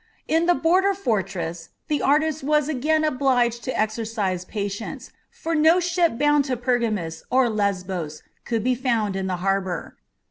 In the border fortress the artist was again obliged to exercise patience, for no ship bound to Pergamus or Lesbos could be found in the harbour.